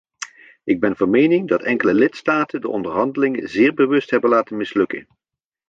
Ik ben van mening dat enkele lidstaten de onderhandelingen zeer bewust hebben laten mislukken.